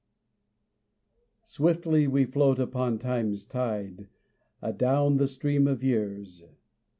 Swiftly we float upon time's tide Adown the stream of years.